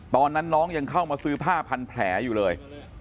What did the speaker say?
ตอนนั้นน้องยังเข้ามาซื้อผ้าพันแผลอยู่เลย